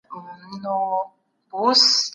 هغه ذهني فشار کموي.